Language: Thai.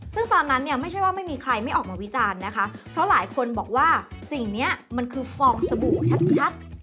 ซึ่งตอนนั้นเนี่ยไม่ใช่ว่าไม่มีใครไม่ออกมาวิจารณ์นะคะเพราะหลายคนบอกว่าสิ่งนี้มันคือฟองสบู่ชัด